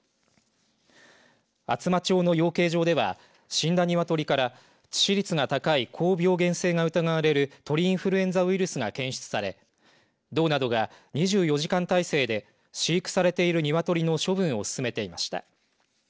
厚真町の養鶏場では死んだ鶏から致死率が高い高病原性が疑われる鳥インフルエンザウイルスが検出され道などが２４時間態勢で飼育されている鶏の処分を進めていました。